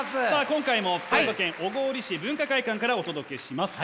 今回も福岡県小郡市文化会館からお届けします。